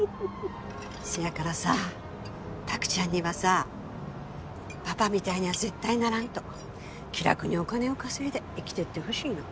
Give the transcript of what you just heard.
せやからさ拓ちゃんにはさパパみたいには絶対ならんと気楽にお金を稼いで生きてってほしいの。